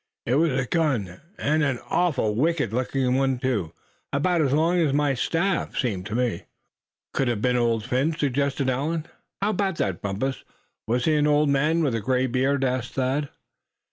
"It was a gun, and an awful wicked looking one too, about as long as my staff, seemed to me." "Could it have been Old Phin?" suggested Allan. "How about that, Bumpus; was he an old man with a gray beard?" asked Thad.